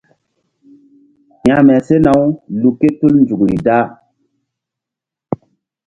Hȩkme sena-u lu ké tul nzukri da.